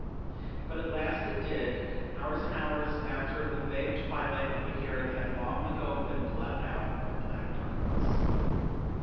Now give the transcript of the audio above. But at last it did, hours and hours after the vague twilight of the garret had long ago been blotted out by black darkness.